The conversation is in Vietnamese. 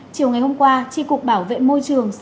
chiều ngày hôm qua tri cục bảo vệ môi trường